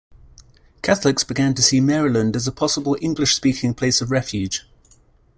Catholics began to see Maryland as a possible English-speaking place of refuge.